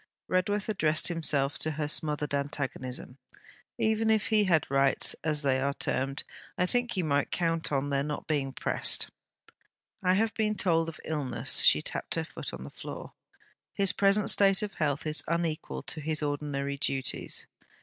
Redworth addressed himself to her smothered antagonism. 'Even if he had rights, as they are termed... I think you might count on their not being pressed.' 'I have been told of illness.' She tapped her foot on the floor. 'His present state of health is unequal to his ordinary duties.'